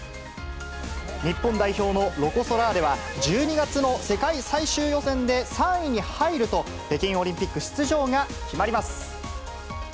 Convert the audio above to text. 日本代表のロコ・ソラーレは、１２月の世界最終予選で３位に入ると、北京オリンピック出場が決まります。